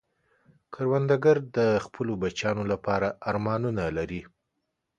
کروندګر د خپلو بچیانو لپاره ارمانونه لري